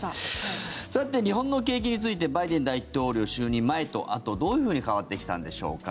さて、日本の景気についてバイデン大統領就任前とあとどういうふうに変わってきたんでしょうか。